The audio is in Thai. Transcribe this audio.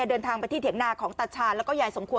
เดินทางไปที่เถียงนาของตาชาญแล้วก็ยายสมควร